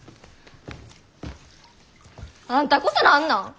あんたこそ何なん！？